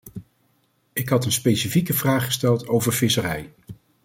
Ik had een specifieke vraag gesteld over visserij.